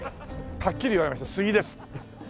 はっきり言われました「杉です」。